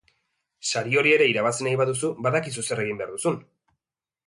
Sari hori ere irabazi nahi baduzu, badakizu zer egin behar duzun!